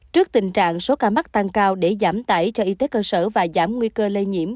trước tình trạng số ca mắc tăng cao để giảm tải cho y tế cơ sở và giảm nguy cơ lây nhiễm